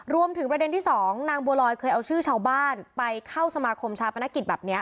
ประเด็นที่สองนางบัวลอยเคยเอาชื่อชาวบ้านไปเข้าสมาคมชาปนกิจแบบนี้